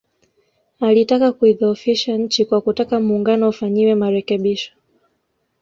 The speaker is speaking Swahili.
Alitaka kuidhoofisha nchi kwa kutaka Muungano ufanyiwe marekebisho